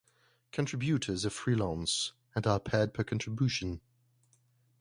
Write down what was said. Contributors are freelance and are paid per contribution.